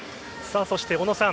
そして小野さん